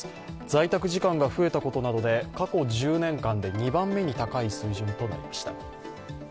在宅時間が増えたことなどで過去１０年間で２番目に高い水準となりました。